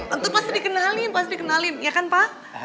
tentu pasti dikenalin pasti dikenalin ya kan pak